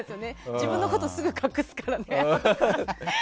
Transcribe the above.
自分のことすぐ隠すからね。